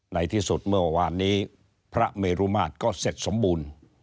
ในที่สุดเมื่อวานนี้พระเมรุมาตรก็เสร็จสมบูรณ์